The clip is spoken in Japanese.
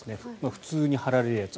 普通に貼られるやつ。